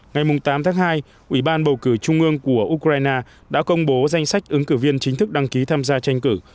ngày tám tháng hai ủy ban bầu cử trung ương của ukraine đã công bố danh sách ứng cử viên chính thức đăng ký tham gia tranh cử